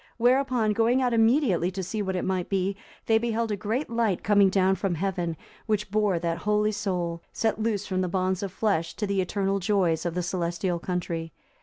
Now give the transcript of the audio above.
Whereupon going out immediately to see what it might be, they beheld a great light coming down from heaven, which bore that holy soul, set loose from the bonds of the flesh, to the eternal joys of the celestial country.